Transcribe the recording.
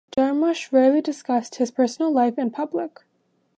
Jarmusch rarely discusses his personal life in public.